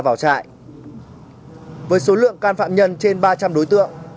với số lượng can phạm nhân trên ba trăm linh đối tượng